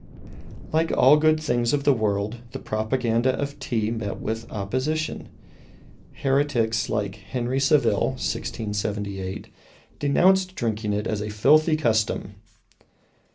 Like all good things of the world, the propaganda of Tea met with opposition. Heretics like Henry Saville (1678) denounced drinking it as a filthy custom.